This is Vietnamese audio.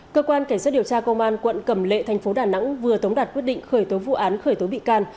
cơ quan cảnh sát điều tra công an quận cầm lệ thành phố đà nẵng vừa tống đạt quyết định khởi tố vụ án khởi tố bị can